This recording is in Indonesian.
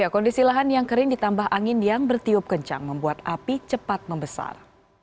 kondisi lahan yang kering ditambah angin yang bertiup kencang membuat api cepat membesar